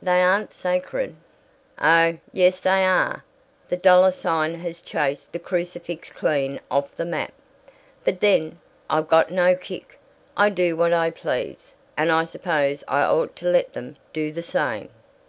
They aren't sacred." "Oh yes, they are! The dollar sign has chased the crucifix clean off the map. But then, I've got no kick. I do what I please, and I suppose I ought to let them do the same."